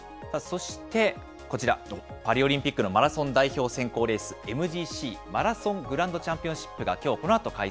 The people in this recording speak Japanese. そしてこちら、パリオリンピックのマラソン代表選考レース、ＭＧＣ・マラソングランドチャンピオンシップ。